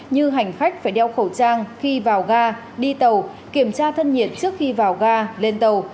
như hành khách phải đeo khẩu trang khi vào ga đi tàu kiểm tra thân nhiệt trước khi vào ga lên tàu